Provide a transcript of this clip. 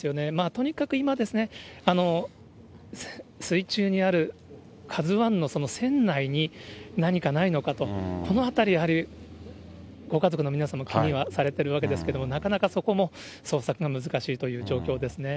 とにかく今ですね、水中にあるカズワンの船内に何かないのかと、このあたり、やはり、ご家族の皆さんも気にはされてるわけですけど、なかなかそこも捜索が難しいという状況ですね。